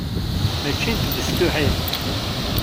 Mačči n tbestuḥin!